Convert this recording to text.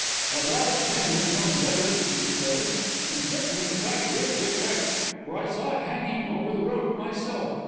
'A lad of ten would have known better,' he declared. And certainly the kite did get wrecked, for I saw it hanging over the road myself.